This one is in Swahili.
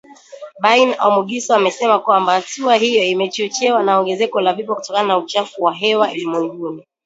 Bain Omugisa amesema kwamba hatua hiyo imechochewa na ongezeko la vifo kutokana na uchafuzi wa hewa ulimwenguni